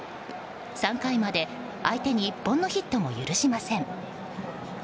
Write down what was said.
３回まで相手に１本のヒットも許しません。